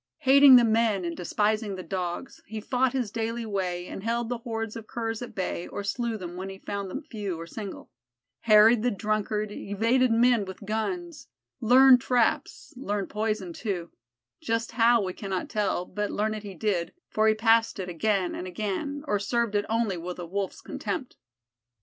Hating the men and despising the Dogs, he fought his daily way and held the hordes of Curs at bay or slew them when he found them few or single; harried the drunkard, evaded men with guns, learned traps learned poison, too just how, we cannot tell, but learn it he did, for he passed it again and again, or served it only with a Wolf's contempt.